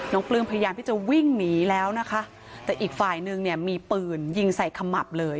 ปลื้มพยายามที่จะวิ่งหนีแล้วนะคะแต่อีกฝ่ายนึงเนี่ยมีปืนยิงใส่ขมับเลย